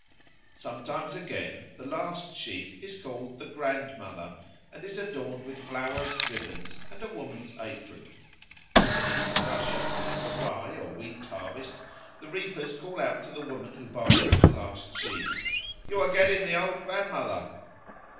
Sometimes again the last sheaf is called the Grandmother, and is adorned with flowers, ribbons, and a woman's apron. In East Prussia, at the rye or wheat harvest, the reapers call out to the woman who binds the last sheaf, "You are getting the Old Grandmother."